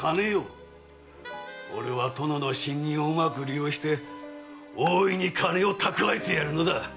俺は殿の信任をうまく利用しておおいに金を蓄えてやるのだ。